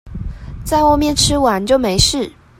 在外面吃完就沒事